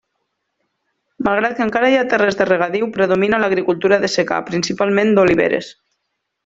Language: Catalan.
Malgrat que encara hi ha terres de regadiu, predomina l'agricultura de secà, principalment d'oliveres.